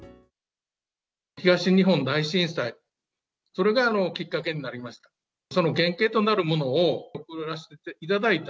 東日本大震災、それがきっかけになりました。